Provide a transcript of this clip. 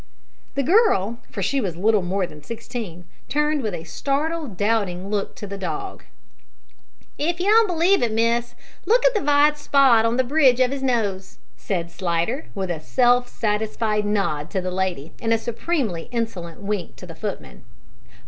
The girl for she was little more than sixteen turned with a startled, doubting look to the dog. "If you don't b'lieve it, miss, look at the vite spot on the bridge of 'is nose," said Slidder, with a self satisfied nod to the lady and a supremely insolent wink to the footman.